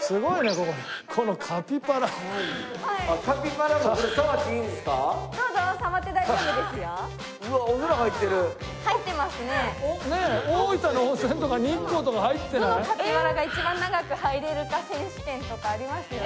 どのカピバラが一番長く入れるか選手権とかありますよね。